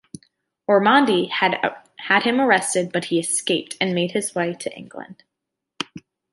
Ormonde had him arrested, but he escaped and made his way to England.